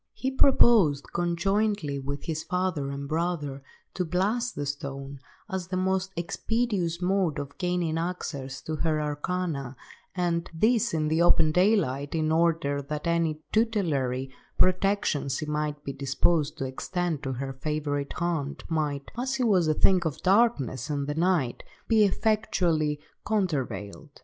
He proposed, conjointly with his father and brother, to blast the stone, as the most expeditious mode of gaining access to her arcana, and, this in the open daylight, in order that any tutelary protection she might be disposed to extend to her favourite haunt might, as she was a thing of darkness and the night, be effectually countervailed.